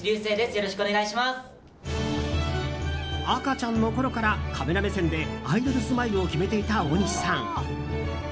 赤ちゃんのころからカメラ目線でアイドルスマイルを決めていた大西さん。